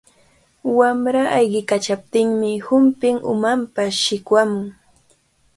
Wamra ayqiykachaptinmi humpin umanpa shikwamun.